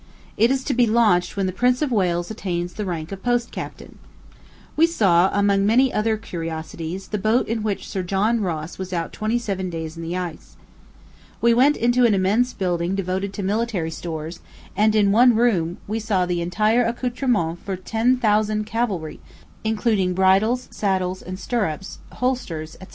It is to be launched when the Prince of Wales attains the rank of post captain. We saw, among many other curiosities, the boat in which Sir John Ross was out twenty seven days in the ice. We went into an immense building devoted to military stores, and in one room we saw the entire accoutrements for ten thousand cavalry, including bridles, saddles, and stirrups, holsters, &c.